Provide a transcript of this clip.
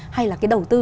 hay là cái đầu tư